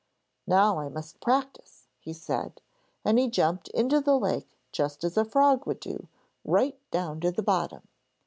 'Now I must practise,' he said, and he jumped into the lake just as a frog would do, right down to the bottom.